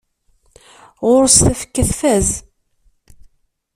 Ɣur-s tafekka tfaz.